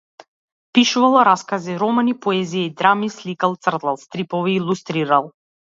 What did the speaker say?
Пишувал раскази, романи, поезија и драми, сликал, цртал стрипови, илустрирал.